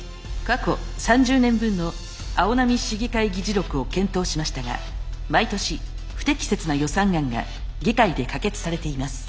過去３０年分の青波市議会議事録を検討しましたが毎年不適切な予算案が議会で可決されています。